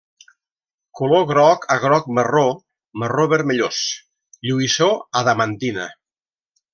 Color groc a groc marró, marró vermellós; lluïssor adamantina.